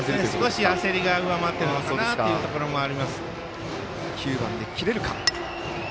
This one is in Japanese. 少し焦りが上回ってるのかなというところもあります。